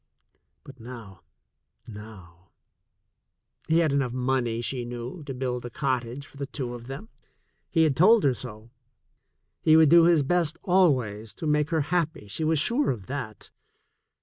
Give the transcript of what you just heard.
But now, now ! He had enough money, she knew, to build a cottage for the two of them. He had told her so. He would do his best always to make her happy, she was sure of that.